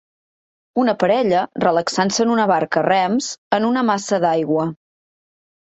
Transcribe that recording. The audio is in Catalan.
Una parella relaxant-se en una barca a rems en una massa d'aigua.